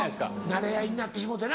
なれ合いになってしもうてな。